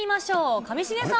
上重さん。